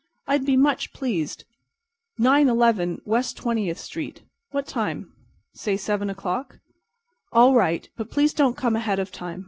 "I'd be much pleased. Nine eleven West Twentieth street. What time?" "Say seven o'clock." "All right, but please don't come ahead of time.